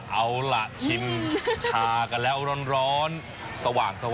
เอาล่ะชิมชากันแล้วร้อนสว่าง